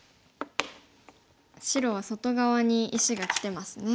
白は外側に石がきてますね。